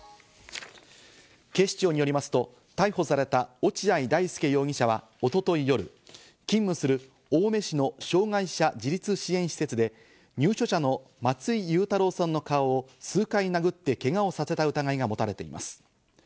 警視庁によりますと逮捕された落合大丞容疑者は一昨日夜、勤務する青梅市の障害者自立支援施設で、入所者の松井祐太朗さんの顔を数回殴ってけがをさせた疑いが持たれています。